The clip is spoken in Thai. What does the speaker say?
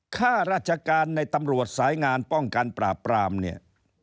ข้าราชการในตำรวจสายงานป้องกันปราบปรามเนี่ย